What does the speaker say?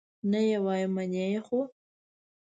نه یې وایم، منې خو؟